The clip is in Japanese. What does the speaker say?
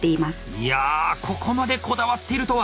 いやここまでこだわっているとは！